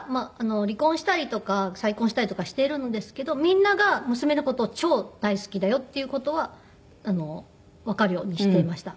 離婚したりとか再婚したりとかしているんですけどみんなが娘の事を超大好きだよっていう事はわかるようにしていました。